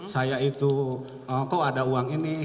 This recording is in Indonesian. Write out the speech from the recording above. saya itu kok ada uang ini